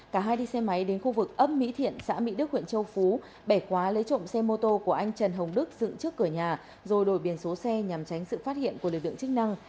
cả hai đi xe máy đến khu vực ấp mỹ thiện xã mỹ đức huyện châu phú bẻ khóa lấy trộm xe mô tô của anh trần hồng đức dựng trước cửa nhà rồi đổi biển số xe nhằm tránh sự phát hiện của lực lượng chức năng